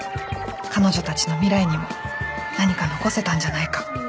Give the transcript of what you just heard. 彼女たちの未来にも何か残せたんじゃないか。